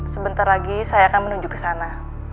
sebentar lagi saya akan menuju ke sana